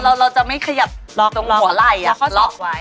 เราจะไม่ขยับตรงหัวไล่ล็อคไว้